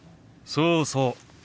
そうそう。